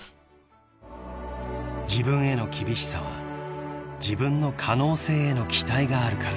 ［自分への厳しさは自分の可能性への期待があるから］